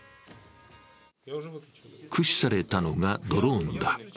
駆使されたのがドローンだ。